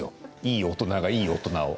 いい大人が、いい大人を。